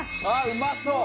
うまそう。